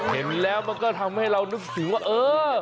เห็นแล้วมันก็ทำให้เรานึกถึงว่าเออ